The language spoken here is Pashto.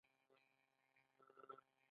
د انتقاد کوونکو په قصه کې نه وي .